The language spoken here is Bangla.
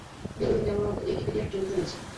দীর্ঘদিন যাবৎ উইকিপিডিয়ায় জড়িত রয়েছি।